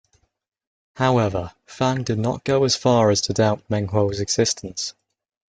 However, Fang did not go as far as to doubt Meng Huo's existence.